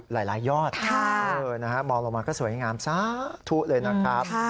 หลายยอดมองลงมาก็สวยงามสาธุเลยนะครับ